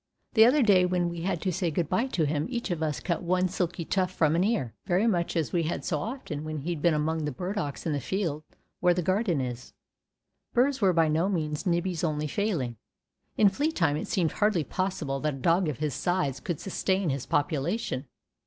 The other day when we had to say good by to him each of us cut one silky tuft from an ear, very much as we had so often when he'd been among the burdocks in the field where the garden is. Burrs were by no means Nibbie's only failing. In flea time it seemed hardly possible that a dog of his size could sustain his population.